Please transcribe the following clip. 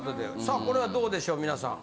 さあこれはどうでしょう皆さん。